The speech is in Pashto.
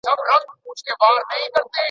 خان پر خپلوانو هم اعتراض وکړ